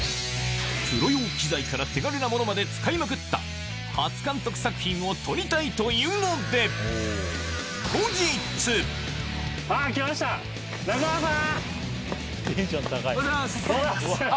プロ用機材から手軽なものまで使いまくった初監督作品を撮りたいと言うのであっ来ました中川さん！